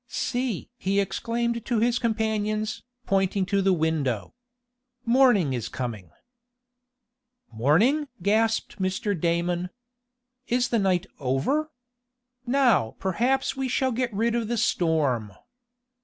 "See!" he exclaimed to his companions, pointing to the window. "Morning is coming." "Morning!" gasped Mr. Damon. "Is the night over? Now, perhaps we shall get rid of the storm."